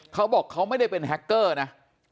เขาบอกเขาไม่ได้เป็นแฮคเกอร์นะ